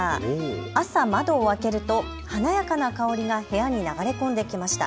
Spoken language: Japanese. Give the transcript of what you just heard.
朝、窓を開けると華やかな香りが部屋に流れ込んできました。